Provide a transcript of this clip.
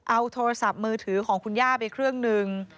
เอาโทรศัพท์มือถือของคุณย่าไปเครื่องหนึ่ง